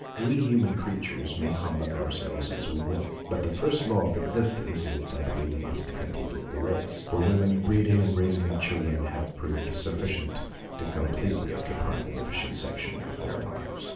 We human creatures may humbug ourselves as we will, but the first law of our existence is that we must continue the race. For women the breeding and raising of children have proved sufficient 150 MONOLOGUES to completely occupy the efficient section of their lives.